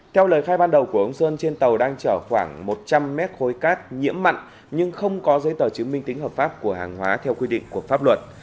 theo lời khai ban đầu của ông sơn trên tàu đang chở khoảng một trăm linh mét khối cát nhiễm mặn nhưng không có giấy tờ chứng minh tính hợp pháp của hàng hóa theo quy định của pháp luật